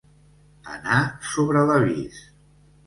Anar sobre l'avís.